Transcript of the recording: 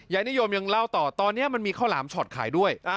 นิยมยังเล่าต่อตอนนี้มันมีข้าวหลามช็อตขายด้วย